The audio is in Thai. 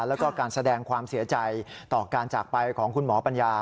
แล้วก็การแสดงความเสียใจต่อการจากไปของคุณหมอปัญญา